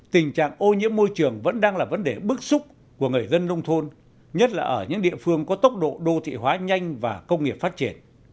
tình trạng ô nhiễm môi trường vẫn đang là vấn đề bức xúc của người dân nông thôn nhất là ở những địa phương có tốc độ đô thị hóa nhanh và công nghiệp phát triển